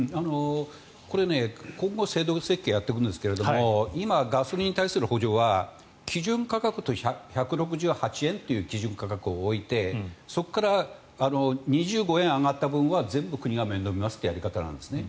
これ、今後制度設計をやっていくんですが今、ガソリンに対する補助は基準価格と１６８円という基準価格を置いてそこから２５円上がった分は全部、国が面倒見ますというやり方なんですね。